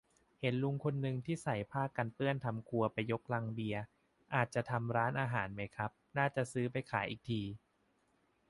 เห็นลุงคนนึงที่ใส่ผ้ากันเปื้อนทำครัวไปยกลังเบียร์ อาจจะทำร้านอาหารไหมครับ น่าจะซื้อไปขายอีกที